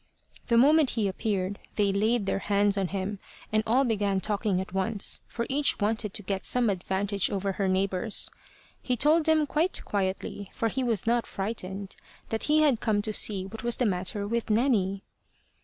The moment he appeared, they laid their hands on him, and all began talking at once, for each wanted to get some advantage over her neighbours. He told them quite quietly, for he was not frightened, that he had come to see what was the matter with Nanny.